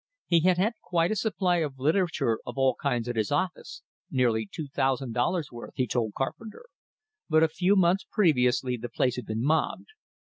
He had had quite a supply of literature of all kinds at his office, nearly two thousand dollars worth, he told Carpenter, but a few months previously the place had been mobbed.